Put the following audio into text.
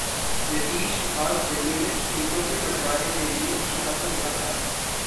नीतीश आज दिल्ली में, सीटों के बंटवारे के लिए शाह से मुलाकात